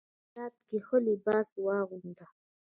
هر حالت کې ښه لباس واغونده.